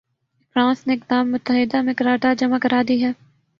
France نے اقدام متحدہ میں قرارداد جمع کرا دی ہے۔